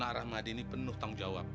rum bang rahmadi ini penuh tanggung jawab